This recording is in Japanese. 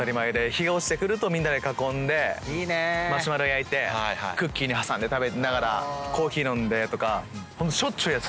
日が落ちてくるとみんなで囲んでマシュマロ焼いてクッキーに挟んで食べながらコーヒー飲んでとかしょっちゅうやってたんで。